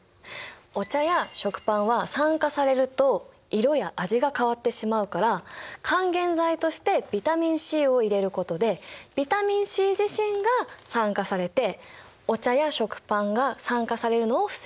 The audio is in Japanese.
お茶や食パンは酸化されると色や味が変わってしまうから還元剤としてビタミンＣを入れることでビタミンＣ自身が酸化されてお茶や食パンが酸化されるのを防いでいるんだ。